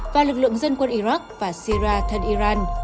và lực lượng dân quân iraq và sira thân iran